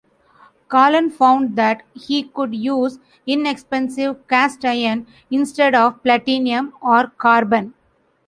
Callan found that he could use inexpensive cast-iron instead of platinum or carbon.